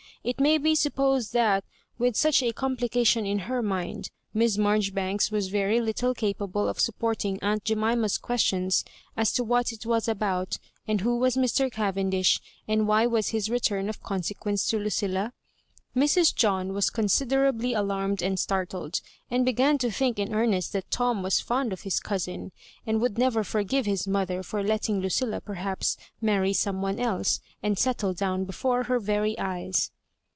It may be supposed that, with such a complication in her mind, Miss Marjori banks was very little capable of supporting aunt Jemima's questions as to what It was about, and who was Mr. Cavendish, and why was his return of consequence to Lucilla? Mrs. John was con siderably alarmed and startled, and began to think in earnest that Tom was fond of his cou sin, and would never forgive his mother for letting Lucilla perhaps marry some one else, and settle down before her very eyes.